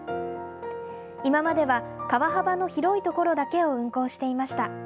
今までは川幅の広い所だけを運航していました。